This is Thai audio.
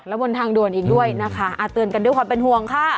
และบนทางด่วนอีกด้วยนะคะเตือนกันด้วยความเป็นห่วงค่ะ